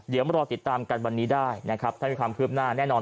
เดี๋ยวมารอติดตามกันวันนี้ได้นะครับถ้ามีความคืบหน้าแน่นอน